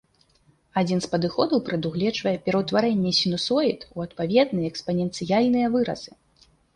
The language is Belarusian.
Адзін з падыходаў прадугледжвае пераўтварэнне сінусоід ў адпаведныя экспаненцыяльныя выразы.